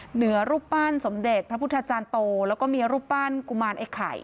เหนือรูปปั้นสมเด็จพระพุทธจารย์โตแล้วก็มีรูปปั้นกุมารไอ้ไข่